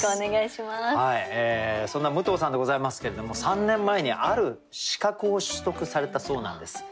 そんな武藤さんでございますけれども３年前にある資格を取得されたそうなんです。